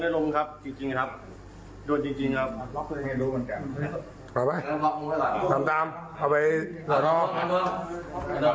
ตอนเล่ายังเล่าผิดเลยสงสัยเมาท์